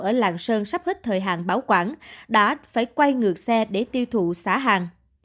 ở lạng sơn sắp hết thời hạn bảo quản đã phải quay ngược xe để tiêu thụ xả hàng